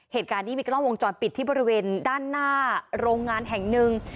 เหตุการณ์นี้มีกล้องวงจรปิดที่บริเวณด้านหน้าโรงงานแห่งหนึ่ง